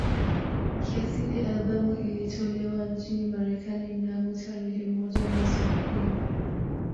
Kiasili albamu ilitolewa nchini Marekani mnamo tarehe moja mwezi wa pili